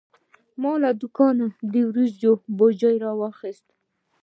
ما له دوکانه د وریجو بوجي واخیست.